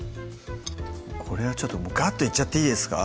これはガーッといっちゃっていいですか？